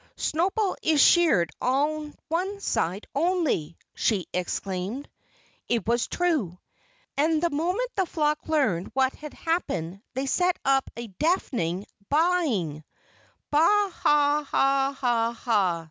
"Snowball is sheared on one side only!" she exclaimed. It was true. And the moment the flock learned what had happened they set up a deafening baaing. "_Baa ha ha ha ha!